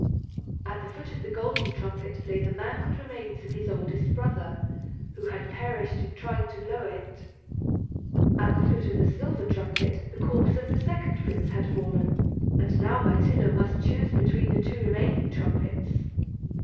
At the foot of the golden trumpet lay the mangled remains of his oldest brother, who had perished in trying to blow it. At the foot of the silver trumpet the corpse of the second prince had fallen; and now Myrtillo must choose between the two remaining trumpets!